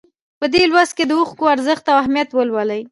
په دې لوست کې د اوښکو ارزښت او اهمیت ولولئ.